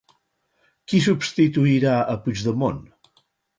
Qui substituirà a Puigdemont?